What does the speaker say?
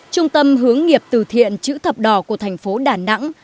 trung tâm hướng nghiệp từ thiện chữ thập đỏ của thành phố đà nẵng